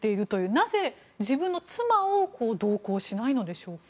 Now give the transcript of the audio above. なぜ自分の妻を同行しないのでしょうか？